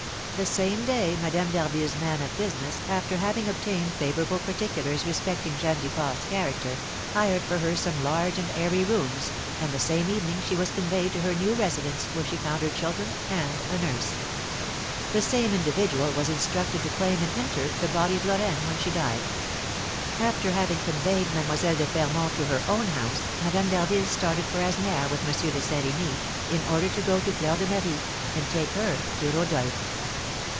The same day, Madame d'Harville's man of business, after having obtained favourable particulars respecting Jeanne Duport's character, hired for her some large and airy rooms, and the same evening she was conveyed to her new residence, where she found her children and a nurse. The same individual was instructed to claim and inter the body of Lorraine when she died. After having conveyed Mlle. de Fermont to her own house, Madame d'Harville started for Asnières with M. de Saint Remy, in order to go to Fleur de Marie, and take her to Rodolph.